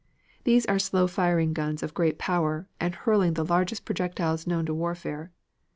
These are slow firing guns of great power and hurling the largest projectiles known to warfare.